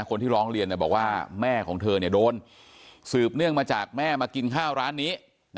คนที่ร้องเรียนบอกว่าแม่ของเธอโดนสืบเนื่องมาจากแม่มากินข้าวร้านนี้